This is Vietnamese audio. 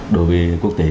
đối với quốc tế